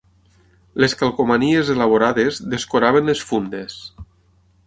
Les calcomanies elaborades descoraven les fundes.